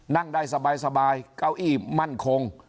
นั่งได้สบายเก้าอี้มั่นคง